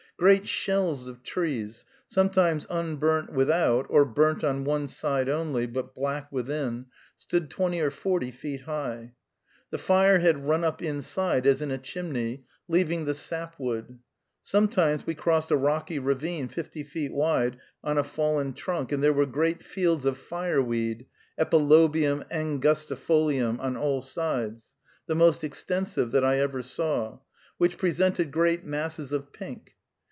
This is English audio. Great shells of trees, sometimes unburnt without, or burnt on one side only, but black within, stood twenty or forty feet high. The fire had run up inside, as in a chimney, leaving the sap wood. Sometimes we crossed a rocky ravine fifty feet wide, on a fallen trunk; and there were great fields of fire weed (Epilobium angustifolium) on all sides, the most extensive that I ever saw, which presented great masses of pink.